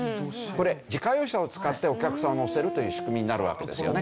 これ自家用車を使ってお客さんを乗せるという仕組みになるわけですよね。